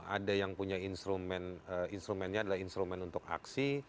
ada yang punya instrumen instrumennya adalah instrumen untuk aksi